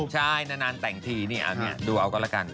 ใช่นานแต่งทีลูกนี้ดูเอาก็ละกัน